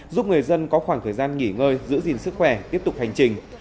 giúp người dân có khoảng thời gian nghỉ ngơi giữ gìn sức khỏe tiếp tục hành trình